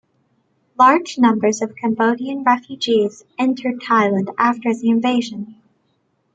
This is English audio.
Large numbers of Cambodian refugees entered Thailand after the invasion.